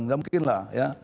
nggak mungkin lah ya